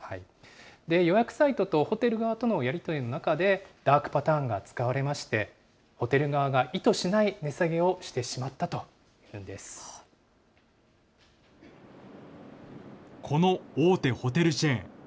予約サイトとホテル側とのやり取りの中で、ダークパターンが使われまして、ホテル側が意図しない値下げをしてしまったというんでこの大手ホテルチェーン。